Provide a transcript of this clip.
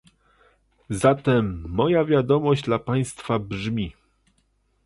Zatem moja wiadomość dla państwa brzmi